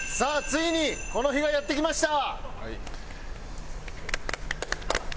ついにこの日がやってきました。